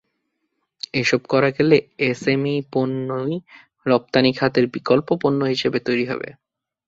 এসব করা গেলে এসএমই পণ্যই রপ্তানি খাতের বিকল্প পণ্য হিসেবে তৈরি হবে।